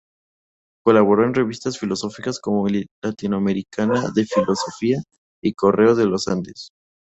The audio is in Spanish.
Colaboró en revistas filosóficas como "Latinoamericana de Filosofía" y "Correo de los Andes".